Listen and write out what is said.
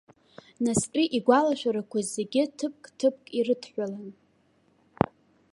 Настәи игәалашәарақәа зегьы ҭыԥк-ҭыԥк ирыдҳәалан.